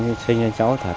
gia đình sinh cho cháu thật